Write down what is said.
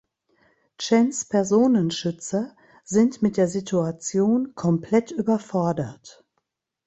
Chens Personenschützer sind mit der Situation komplett überfordert.